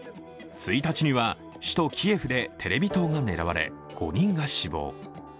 １日には首都キエフでテレビ塔が狙われ、５人が死亡。